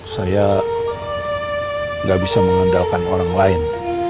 saya gak bisa mengendalkan orang lain